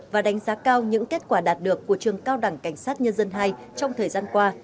và đánh giá cao những kết quả đạt được của trường cao đẳng cảnh sát nhân dân hai trong thời gian qua